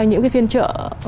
những cái phiên trợ